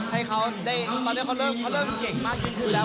ให้เขาเล่นเข้าก็เก่งมากที่พูดแล้ว